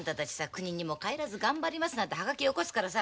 「くににも帰らず頑張ります」なんてハガキよこすからさ